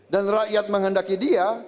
dan rakyat menghendaki dia